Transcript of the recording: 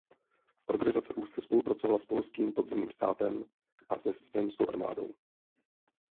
Organizace úzce spolupracovala s polským podzemním státem a se Zemskou armádou.